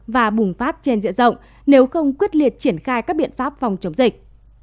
và bùng phát trên diện rộng nếu không quyết liệt triển khai các biện pháp phòng chống dịch